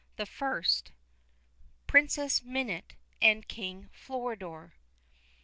The first, PRINCESS MINUTE AND KING FLORIDOR.